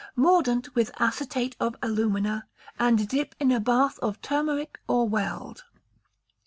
Mordant with acetate of alumina, and dip in a bath of turmeric or weld.